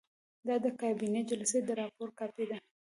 دا د کابینې د جلسې د راپور کاپي ده.